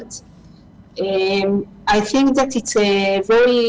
เรามีแค่๑๒๐๐คนตาย